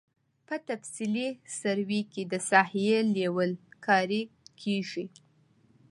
په تفصیلي سروې کې د ساحې لیول کاري کیږي